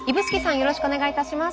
よろしくお願いします。